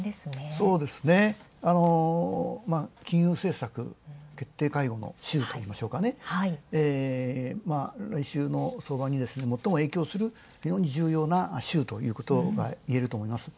そうですね、金融政策決定会合の週といいましょうか、来週の相場に最も影響する非常に重要な週といえると思います。